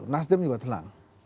nasdem juga tenang